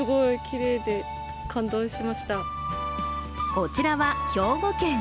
こちらは、兵庫県。